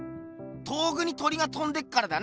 遠くに鳥がとんでっからだな。